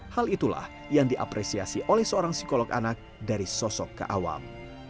hal itulah yang diapresiasi oleh seorang psikolog anak dari sosok ke awam